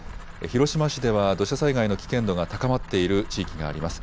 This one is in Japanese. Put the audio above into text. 広島市では土砂災害の危険度が高まっている地域があります。